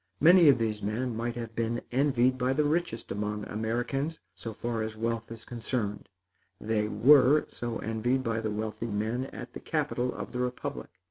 Many of these men might have been envied by the richest among Americans, so far as wealth is considered. They were so envied by the wealthy men at the capital of the republic.